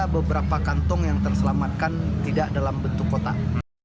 beberapa kantong yang terselamatkan tidak dalam bentuk kotak